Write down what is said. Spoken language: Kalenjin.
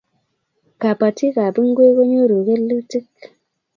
kapatikap ngwek konyoru kelutik